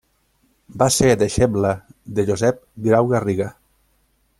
Va ser deixebla de Josep Grau-Garriga.